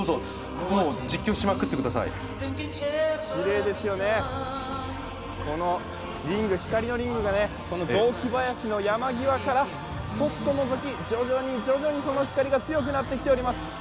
きれいですよね、この光のリングが雑木林の山際からそっとのぞき、徐々に徐々にその光が強くなってきております。